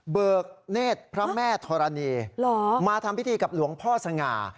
เนธพระแม่ธรณีมาทำพิธีกับหลวงพ่อสง่า